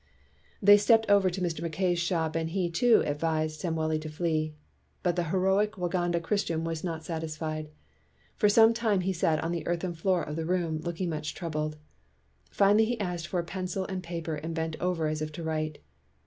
They stepped over to Mr. Mackay's shop and he, too, advised Samweli to flee. But the heroic Waganda Christian was not sat isfied. For some time he sat on the earthen floor of the room looking much troubled. Finally he asked for a pencil and paper and bent over as if to write.